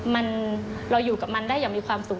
มันเราอยู่กับมันได้อย่างมีความสุข